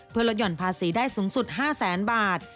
เพื่อลดหย่อนภาษีได้สูงสุด๕แสนบาท